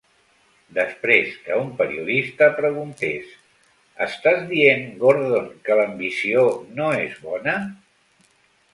Després que un periodista preguntés: "Estàs dient, Gordon, que l'ambició no és bona?